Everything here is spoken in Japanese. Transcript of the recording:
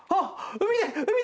海で。